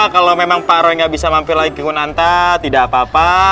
kalau memang pak roy nggak bisa mampir lagi ke hunanta tidak apa apa